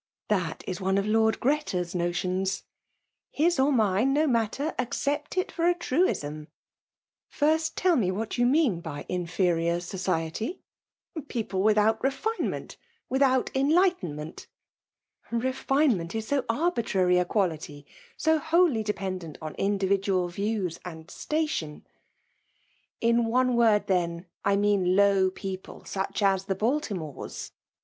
VS^'^at is one of Lord Gretas notions/" •*'*'Hi« or mine, no matter— accept it for k •^^ First ten me what you mean by inferior Wietyr •» *'^'Fedpte without refinement — without cil lightenment." ^'^ Befinement. is so arbftrary a quality, so wholly dependent on individual views jmmI ^ilatioh." '•^ In one word, then> I mean low people, ^%ttbh tus the Balttmores."